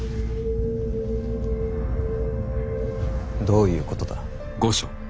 どういうことだ。